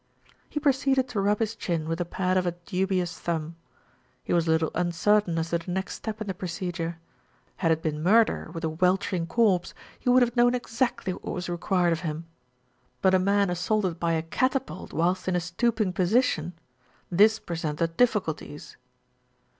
He proceeded to rub his chin with the pad of a dubious thumb. He was a little uncertain as to the next step in the procedure. Had it been murder, with a "weltering" corpse, he would have known exactly what was required of him; but a man assaulted by a catapult whilst in a stooping position! This presented difficulties.